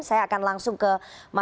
saya akan langsung ke mas